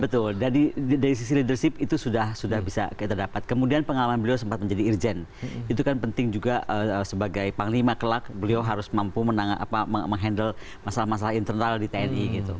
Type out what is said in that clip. betul dari sisi leadership itu sudah bisa kita dapat kemudian pengalaman beliau sempat menjadi irjen itu kan penting juga sebagai panglima kelak beliau harus mampu menghandle masalah masalah internal di tni gitu